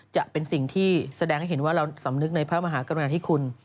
จะเป็นสิ่งที่แสดงให้เห็นว่าเราสำนึกในพระมหากรุณาธิคุณ